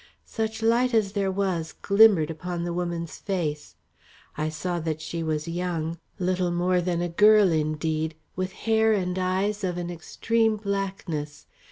Such light as there was, glimmered upon the woman's face. I saw that she was young, little more than a girl indeed, with hair and eyes of an extreme blackness.